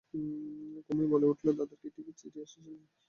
কুমুই বলে উঠল, দাদার কি চিঠি আসে নি?